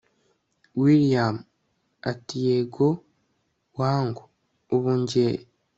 william ati yego wangu ubu njye